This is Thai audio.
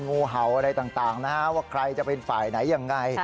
งูเห่าอะไรต่างนะฮะว่าใครจะเป็นฝ่ายไหนยังไง